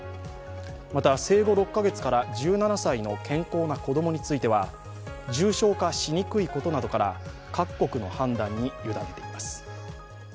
また生後６か月から１７歳の健康な子供については重症化しにくいことなどから、各国の判断に委ねています。